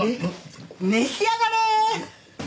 召し上がれ！